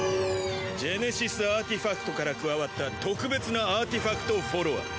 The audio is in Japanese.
ジェネシスアーティファクトから加わった特別なアーティファクト・フォロワー。